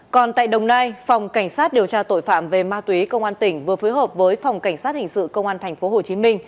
còn tại đồng nai phòng cảnh sát điều tra tội phạm về ma túy công an tỉnh vừa phối hợp với phòng cảnh sát hình sự công an tp hcm